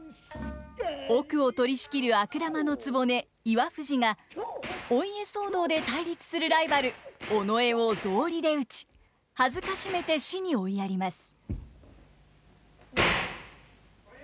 奥を取りしきる悪玉の局岩藤がお家騒動で対立するライバル尾上を草履で打ち辱めて死に追いやります。